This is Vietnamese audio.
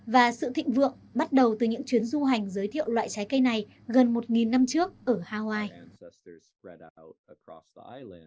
và sự thịnh vượng bắt đầu từ những chuyến du hành giới thiệu loại trái cây này gần một năm trước ở hawaii